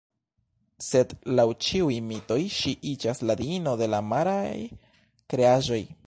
Sed laŭ ĉiuj mitoj ŝi iĝas la diino de la maraj kreaĵoj.